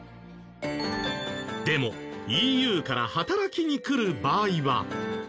でもＥＵから働きに来る場合は。